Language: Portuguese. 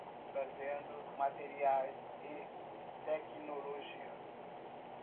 Trazendo materiais e tecnologia